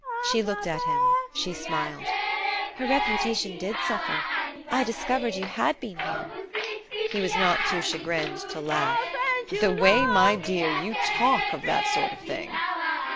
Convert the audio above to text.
She looked at him; she smiled. "Her reputation did suffer. I discovered you had been here." He was not too chagrined to laugh. "The way, my dear, you talk of that sort of thing!"